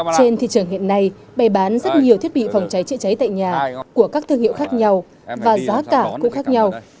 trên thị trường hiện nay bày bán rất nhiều thiết bị phòng cháy chữa cháy tại nhà của các thương hiệu khác nhau và giá cả cũng khác nhau